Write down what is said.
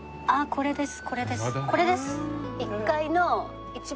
これです！